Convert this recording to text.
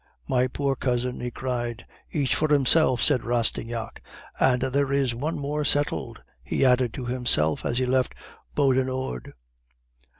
"'My poor cousin!' he cried. "'Each for himself,' said Rastignac. 'And there is one more settled!' he added to himself as he left Beaudenord.